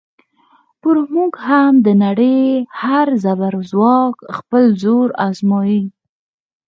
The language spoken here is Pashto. پر موږ هم د نړۍ هر زبرځواک خپل زور ازمایه.